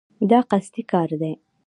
دا قصدي کار دی.